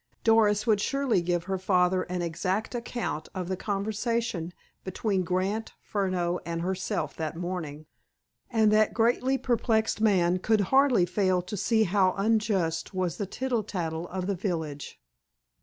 Doris would surely give her father an exact account of the conversation between Grant, Furneaux, and herself that morning, and that greatly perplexed man could hardly fail to see how unjust was the tittle tattle of the village.